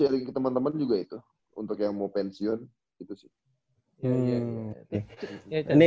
gue sharing ke temen temen juga itu untuk yang mau pensiun gitu sih